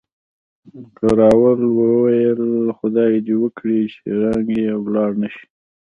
کراول وویل، خدای دې وکړي چې رنګ یې ولاړ نه شي.